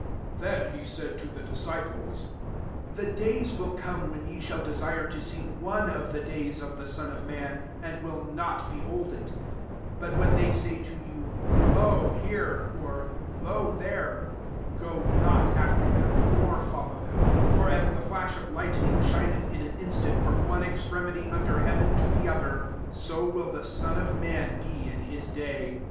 22 Then he said to the dis ciples, The days will come when ye shall desire to see one of the days of the Son of man^ and will not behold it, 23 But when they say to you, * Lo» here V [dr,] * Lo, there :' gd not after r/reirt, nor follow them» 24 For as the fiash of lightning shineth in an instant from on^ extremity under heaven^ to the other, so will the Son of maft be in his day.